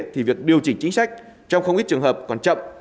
thì việc điều chỉnh chính sách trong không ít trường hợp còn chậm